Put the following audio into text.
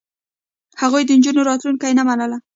هغوی د نجونو راتلونکې نه منله.